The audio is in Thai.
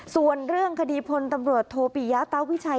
ส่วนเรื่องคดีพลตำรวจโทปิยาตาวิชัย